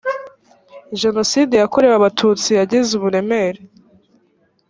jenoside yakorewe abatutsi yagize uburemere